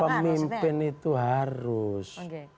para pemimpin itu harus